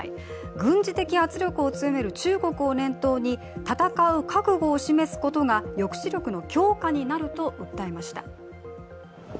軍事的圧力を強める中国を念頭に戦う覚悟を示すことが抑止力の強化になると訴えました。